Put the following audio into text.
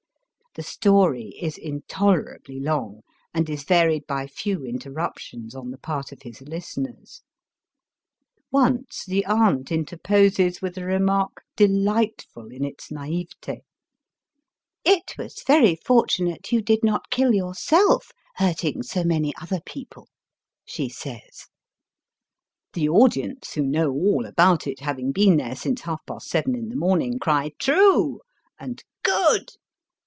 The story is intolerably long, and is varied by few interruptions on the part of his listeners. Once the aimt interposes with a remark de lightful in its naiveU, ^' It was very fortimate you did not kill yourself, hurting so many other people,'* she says. Digitized by Google A JAPANESE THEATBE. 301 The audience, who know all about it, having been there since half past seven in the morning, cry ^* True !" and Good